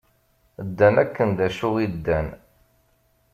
Ddan akken d acu i ddan.